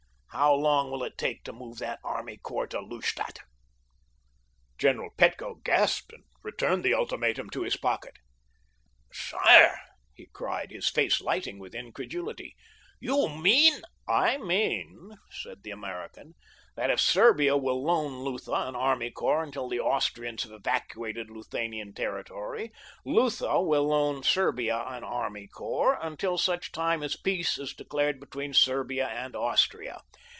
"How long will it take to move that army corps to Lustadt?" General Petko gasped and returned the ultimatum to his pocket. "Sire!" he cried, his face lighting with incredulity. "You mean—" "I mean," said the American, "that if Serbia will loan Lutha an army corps until the Austrians have evacuated Luthanian territory, Lutha will loan Serbia an army corps until such time as peace is declared between Serbia and Austria.